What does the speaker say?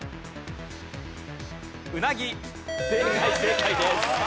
正解正解です。